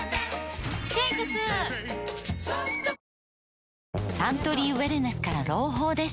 ペイトクサントリーウエルネスから朗報です